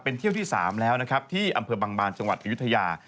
เป็นเที่ยวที่๓แล้วนะครับที่อำเภอบังบานจังหวัดอายุทยา